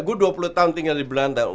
gue dua puluh tahun tinggal di belanda